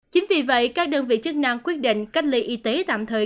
chính vì vậy các đơn vị chức năng quyết định cách ly y tế tạm thời